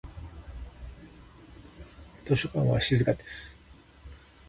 図書館は静かです。